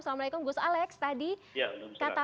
assalamualaikum gus alex tadi kata